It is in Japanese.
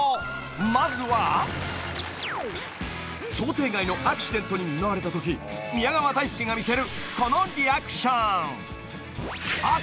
まずは想定外のアクシデントに見舞われた時宮川大輔が見せるこのリアクション